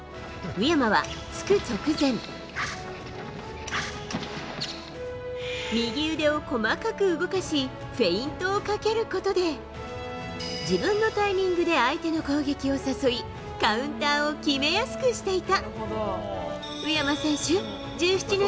宇山は突く直前右腕を細かく動かしフェイントをかけることで自分のタイミングで相手の攻撃を誘いカウンターを決めやすくしていた。